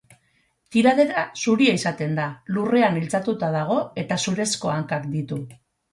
Tiradera zuria izaten da, lurrean iltzatuta dago, eta zurezko hankak ditu.